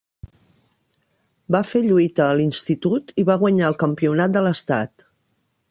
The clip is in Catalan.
Va fer lluita a l'institut i va guanyar el campionat de l'estat.